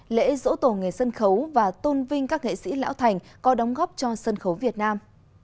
lễ dỗ tổ nghề sân khấu và tôn vinh các nghệ sĩ lão thành có đóng góp cho sân khấu việt nam